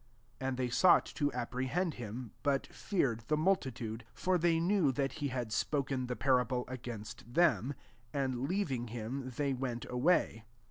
12 And they sought to apprehend him, (but feared the multitude ;) for they knew that he had spoken the parable against them : and leaving him, they went away.